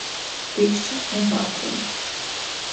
Tikšķi nepārtūka.